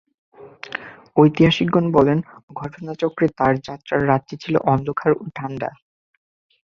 ঐতিহাসিকগণ বলেন, ঘটনাচক্রে তার যাত্রার রাতটি ছিল অন্ধকার ও ঠাণ্ডা।